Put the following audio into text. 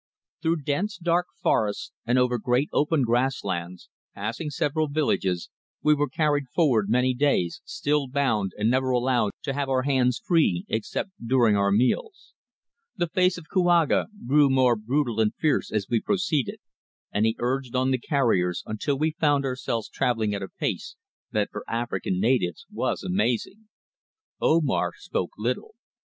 THROUGH dense dark forests and over great open grass lands, passing several villages, we were carried forward many days, still bound and never allowed to have our hands free except during our meals. The face of Kouaga grew more brutal and fierce as we proceeded, and he urged on the carriers until we found ourselves travelling at a pace that for African natives was amazing. Omar spoke little.